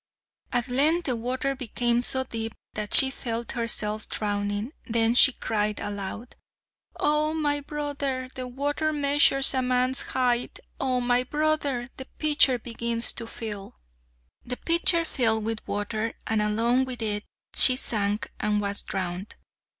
At length the water became so deep that she felt herself drowning, then she cried aloud: "Oh! my brother, the water measures a man's height, Oh! my brother, the pitcher begins to fill." The pitcher filled with water, and along with it she sank and was drowned.